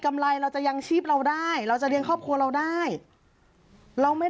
ไรเราจะยังชีพเราได้เราจะเลี้ยงครอบครัวเราได้เราไม่